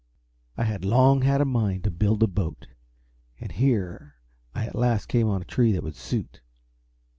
I had long had a mind to build a boat, and here I at last came on a tree that would suit.